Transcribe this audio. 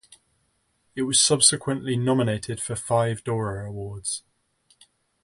It was subsequently nominated for five Dora awards.